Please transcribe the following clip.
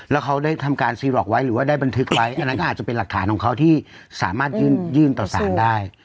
แล้วเขาได้ทำการซีล็อกไว้หรือว่าได้บันทึกไว้อันนั้นก็อาจจะเป็นหลักฐานของเขาที่สามารถยื่นต่อสารได้